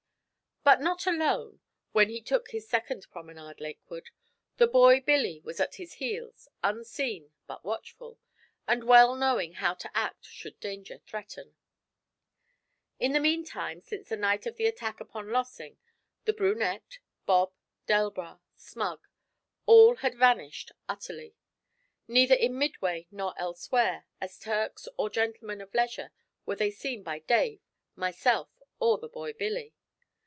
But not alone, when he took his second promenade lake ward. The boy Billy was at his heels unseen but watchful, and well knowing how to act should danger threaten. In the meantime, since the night of the attack upon Lossing, the brunette, Bob, Delbras, Smug all had vanished utterly. Neither in Midway nor elsewhere, as Turks or gentlemen of leisure, were they seen by Dave, myself, or the boy Billy.